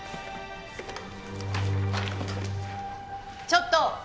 ちょっと！